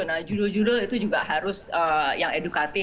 nah judul judul itu juga harus dihimbau